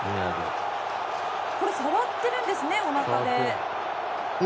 触っているんですねおなかで。